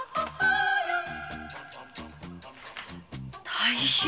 大変！